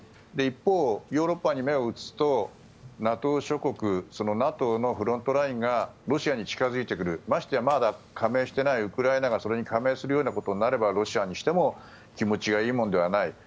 一方、ヨーロッパに目を移すとＮＡＴＯ諸国ＮＡＴＯのフロントラインがロシアに近付いてくるましてやまだ加盟していないウクライナがそれに加盟するようなことになればロシアにしても気持ちがいいものではない。